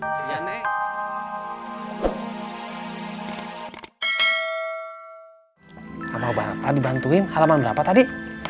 hai kamu bapak dibantuin halaman berapa tadi tiga puluh lima